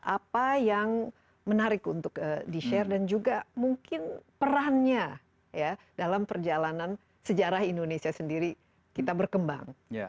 apa yang menarik untuk di share dan juga mungkin perannya dalam perjalanan sejarah indonesia sendiri kita berkembang